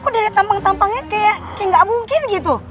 kok dari tampang tampangnya kayak gak mungkin gitu